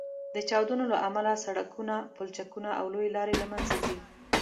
د چاودنو له امله سړکونه، پولچکونه او لویې لارې له منځه ځي